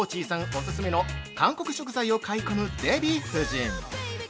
オススメの韓国食材を買い込むデヴィ夫人。